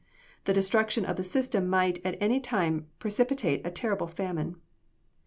The destruction of the system might at any time precipitate a terrible famine.